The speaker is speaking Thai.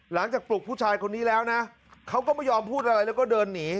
ปลุกผู้ชายคนนี้แล้วนะเขาก็ไม่ยอมพูดอะไรแล้วก็เดินหนี